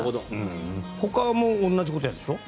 ほかも同じことをやるんでしょ？